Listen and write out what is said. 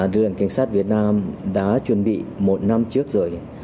đường cảnh sát việt nam đã chuẩn bị một năm trước rồi